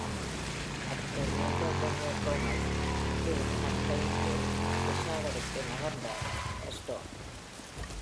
அடுத்து, major general Thomas Reed கட்டளையின்கீழ் பெஷாவருக்கு நகர்ந்தார் ஆஸ்டென்.